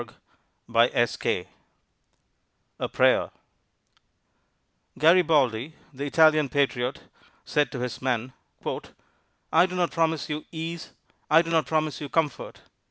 _ A PRAYER Garibaldi, the Italian patriot, said to his men: "I do not promise you ease; I do not promise you comfort.